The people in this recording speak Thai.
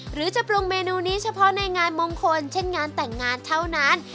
หรือจะปรุงเมนูนี้เฉพาะในงานมงคลเช่นงานแต่งงานเท่านั้น